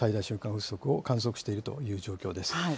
風速を観測しているという状況です。